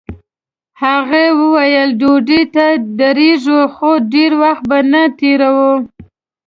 هغه ویل ډوډۍ ته درېږو خو ډېر وخت به نه تېروو.